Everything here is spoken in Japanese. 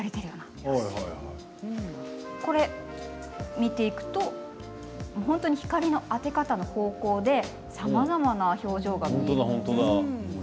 見ていくと本当に光の当て方の方向でさまざまな表情が見えるんです。